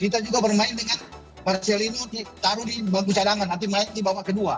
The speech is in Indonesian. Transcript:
kita juga bermain dengan marcelino ditaruh di bangku cadangan nanti main di babak kedua